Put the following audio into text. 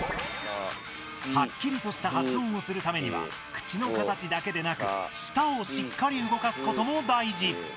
はっきりとした発音をするためには口の形だけでなく舌をしっかり動かすことも大事。